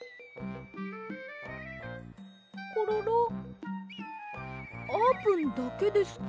コロロあーぷんだけですか？